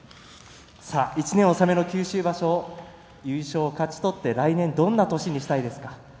１年納めの九州場所優勝を勝ち取って来年はどんな年にしたいですか？